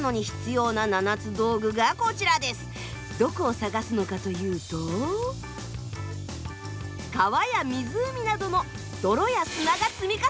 どこを探すのかというと川や湖などの泥や砂が積み重なった地層。